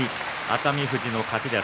熱海富士の勝ち。